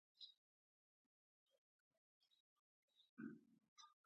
د یو میین یوې میینې دیدن